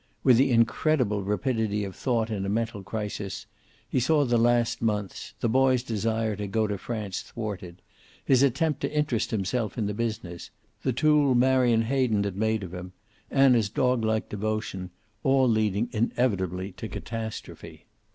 With the incredible rapidity of thought in a mental crisis, he saw the last months, the boy's desire to go to France thwarted, his attempt to interest himself in the business, the tool Marion Hayden had made of him, Anna's doglike devotion, all leading inevitably to catastrophe.